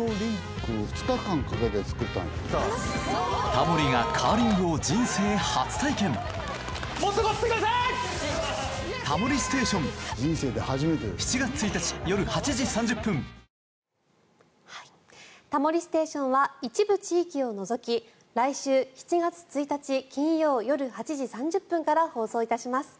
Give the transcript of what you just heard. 「タモリステーション」は一部地域を除き来週７月１日金曜夜８時３０分から放送いたします。